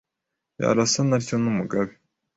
Yarasana atyo n'umugabe